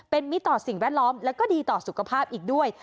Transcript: เป็นมิตรต่อสิ่งแวดล้อมแล้วก็ดีต่อสุขภาพอีกด้วย